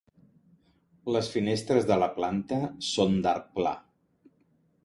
Les finestres de la planta són d'arc pla.